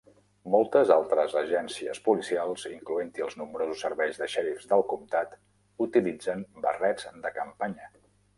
Moltes altres agències policials, incloent-hi els nombrosos serveis de sheriffs del comtat, utilitzen barrets de campanya.